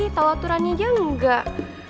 tau aturannya aja enggak